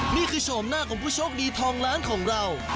โฉมหน้าของผู้โชคดีทองล้านของเรา